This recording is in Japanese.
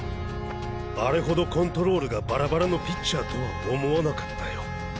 あれほどコントロールがバラバラのピッチャーとは思わなかったよ。